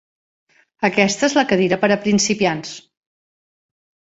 Aquesta és la cadira per a principiants.